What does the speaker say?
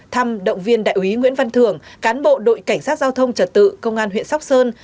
thăm động viên đại úy nguyễn văn thường cán bộ đội cảnh sát giao thông trật tự công an huyện sóc sơn